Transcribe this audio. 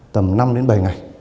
tầm năm đến bảy ngày